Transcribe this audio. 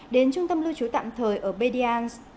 đến trung tâm lưu trú tạm thời ở berdyansk